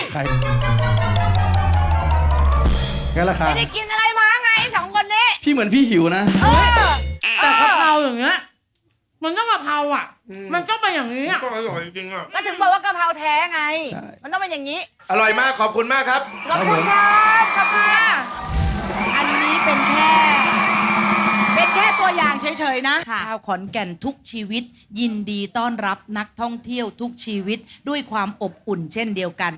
คราวขอนแก่นทุกชีวิตยินดีต้อนรับนักท่องเที่ยวทุกชีวิตด้วยความอบอุ่นเส้นเดียวกัน